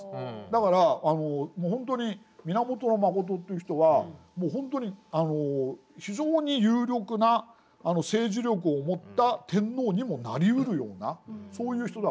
だからもう本当に源信という人はもう本当に非常に有力な政治力を持った天皇にもなりうるようなそういう人だから。